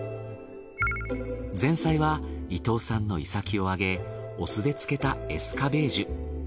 前菜は伊東産のイサキを揚げお酢で漬けたエスカベージュ。